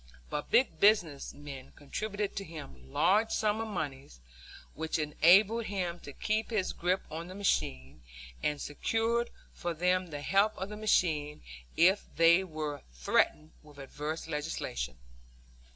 But big business men contributed to him large sums of money, which enabled him to keep his grip on the machine and secured for them the help of the machine if they were threatened with adverse legislation.